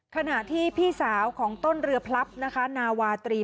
ขณะที่พี่สาวของต้นเรือพลับนะคะนาวาตรี